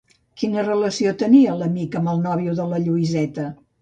Quina relació tenia l'amic amb el nòvio de la Lluïseta?